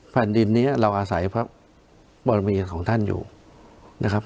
แผ่นดินนี้เราอาศัยพระบรมีของท่านอยู่นะครับ